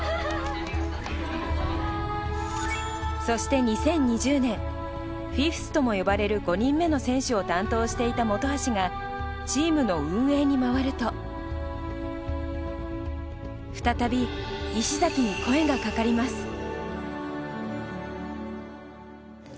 そして２０２０年フィフスとも呼ばれる５人目の選手を担当していた本橋がチームの運営に回ると再び、石崎に声がかかります。